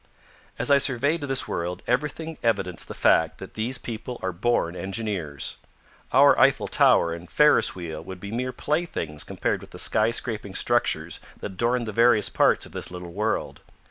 As I surveyed this world, everything evidenced the fact that these people are born engineers. Our Eiffel Tower and Ferris Wheel would be mere playthings compared with the sky scraping structures that adorn the various parts of this little world.